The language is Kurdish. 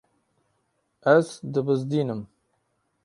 Ez dibizdînim.